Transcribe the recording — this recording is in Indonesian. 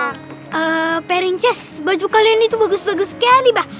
eee peringces baju kalian itu bagus bagus sekali mbah